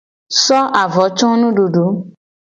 So avo co nududu.